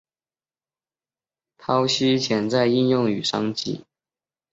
剖析潜在应用与商机